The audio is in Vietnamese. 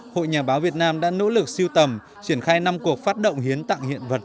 hội nhà báo việt nam đã nỗ lực siêu tầm triển khai năm cuộc phát động hiến tặng hiện vật